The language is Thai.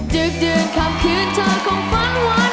ดึกดื่นคำคืนเธอคงฝันวัน